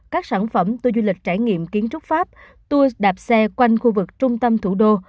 các sản phẩm tour du lịch trải nghiệm kiến trúc pháp tour đạp xe quanh khu vực trung tâm thủ đô